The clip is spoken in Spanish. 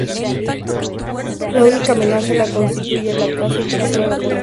La única amenaza la constituye la caza intensiva en algunas áreas.